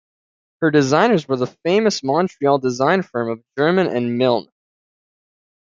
Her designers were the famous Montreal design firm of German and Milne.